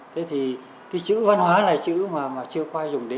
thế thì cái chữ văn hóa là chữ mà chưa qua dùng đến